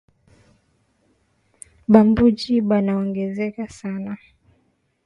Ba mbuji bana ongezeka sana